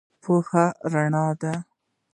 پوهه رڼا ده